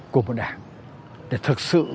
của một đảng để thực sự